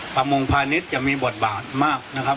ประมงพาณิชย์จะมีบทบาทมากนะครับ